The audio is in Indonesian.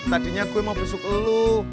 tadinya gue mau besuk lu